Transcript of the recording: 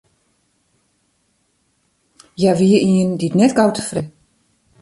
Hja wie ien dy't net gau tefreden wie.